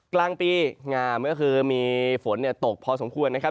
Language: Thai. กลางปีงามก็คือมีฝนตกพอสมควรนะครับ